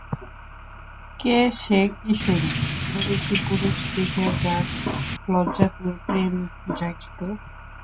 কে সে কিশোরী, ভিনদেশী পুরুষ দেখিয়া যার লজ্জাতুর প্রেম জাগিত?